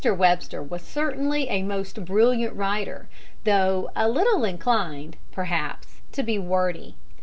Webster was certainly a most brilliant writer, though a little inclined, perhaps, to be wordy.